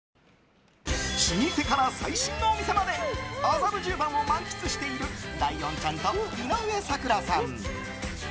老舗から最新のお店まで麻布十番を満喫しているライオンちゃんと井上咲楽さん。